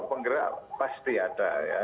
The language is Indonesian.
penggerak pasti ada ya